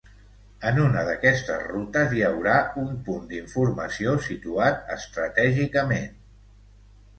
En una d'aquestes rutes hi haurà un punt d'informació situat estratègicament.